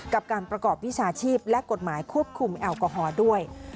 กับการประกอบวิชาชีพและกฎหมายควบคุมแอลกอฮอล์ด้วย